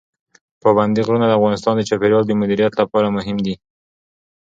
پابندی غرونه د افغانستان د چاپیریال د مدیریت لپاره مهم دي.